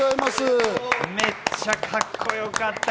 めっちゃかっこよかった！